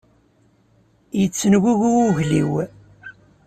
Yettengugu wugel-iw.